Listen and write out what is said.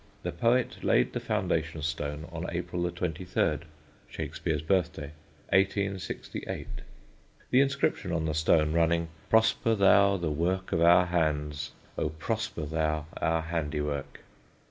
The poet laid the foundation stone on April 23 (Shakespeare's birthday), 1868: the inscription on the stone running "Prosper thou the work of our hands, O prosper thou our handiwork."